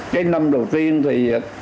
trên năm đầu tiên thì